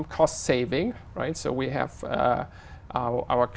có thể gây ra